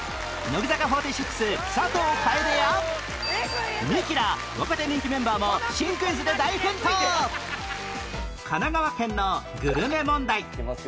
乃木坂４６佐藤楓やミキら若手人気メンバーも新クイズで大奮闘神奈川県のグルメ問題